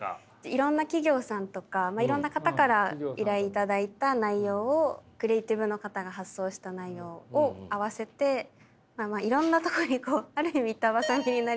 いろんな企業さんとかいろんな方から依頼いただいた内容をクリエーティブの方が発想した内容を合わせていろんなとこにある意味板挟みになりながら。